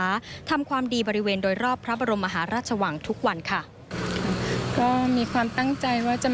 มาเป็นจิตอาสาทำความดีบริเวณโดยรอบพระบรมมหาราชวังทุกวันค่ะ